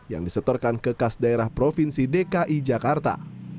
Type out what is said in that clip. yang disetorkan kekas daerah provinsi dki jakarta